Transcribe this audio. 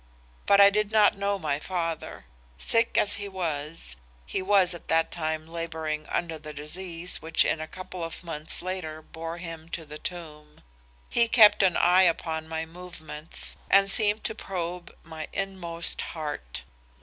But I did not know my father. Sick as he was he was at that time laboring under the disease which in a couple of months later bore him to the tomb he kept an eye upon my movements and seemed to probe my inmost heart.